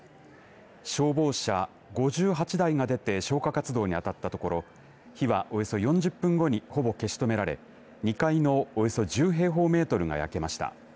消防車５８台が出て消火活動に当たったところ火は、およそ４０分後にほぼ消し止められ２階のおよそ１０平方メートルが焼けました。